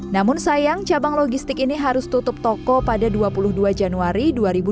namun sayang cabang logistik ini harus tutup toko pada dua puluh dua januari dua ribu dua puluh